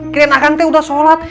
keren akan teh udah sholat